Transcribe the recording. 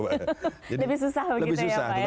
lebih susah begitu ya pak ya